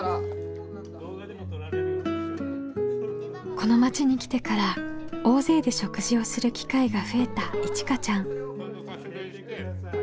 この町に来てから大勢で食事をする機会が増えたいちかちゃん。